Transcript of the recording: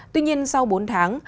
tuy nhiên sau bốn tháng